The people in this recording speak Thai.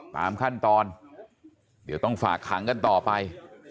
ตามขั้นตอนเดี๋ยวต้องฝากขังกันต่อไป